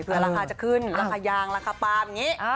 เพื่อราคาจะขึ้นราคายางราคาปาล์มอย่างนี้